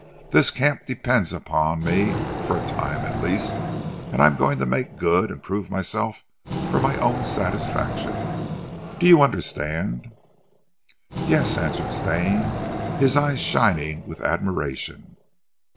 This camp depends on me for a time at least, and I'm going to make good; and prove myself for my own satisfaction. Do you understand?" "Yes," answered Stane, his eyes shining with admiration.